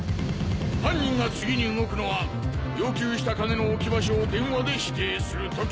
犯人が次に動くのは要求した金の置き場所を電話で指定する時。